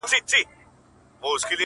زما ساگاني مري د ژوند د دې گلاب وخت ته